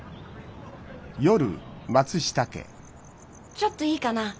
ちょっといいかな？